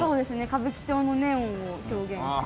歌舞伎町のネオンを表現していて。